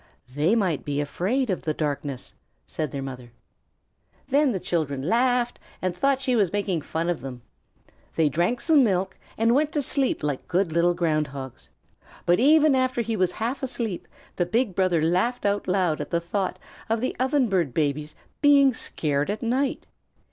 "They might be afraid of the darkness," said their mother. Then the children laughed and thought she was making fun of them. They drank some milk and went to sleep like good little Ground Hogs, but even after he was half asleep the big brother laughed out loud at the thought of the Ovenbird babies being scared at night.